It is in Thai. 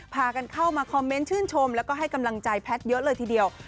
พากันเข้ามาคอมเมนต์ชื่นชมแล้วก็ให้กำลังใจแพทย์เยอะเลยทีเดียว